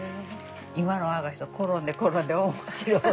今の若い人は転んで転んで面白い。